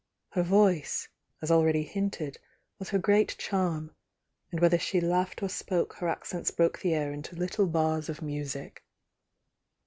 Her voice, as already hinted, was her great charm, and whether she laughed or spoke her accents broke the air into little bars of music.